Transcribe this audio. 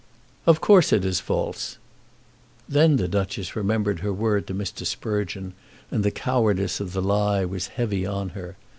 "Of course it is false." Then the Duchess remembered her word to Mr. Sprugeon, and the cowardice of the lie was heavy on her.